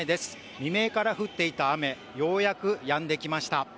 未明から降っていた雨、ようやくやんできました。